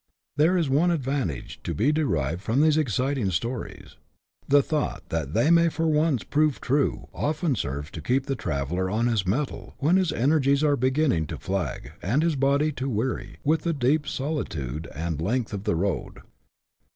There is one advantage to be derived from these exciting stories : the thought that they may for once prove true often serves to keep the traveller on his mettle when his energies are beginning to flag, and his body to weary, with the deep solitude and the length of the road.